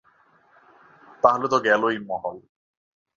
তাইলে তো গেলোই মহল।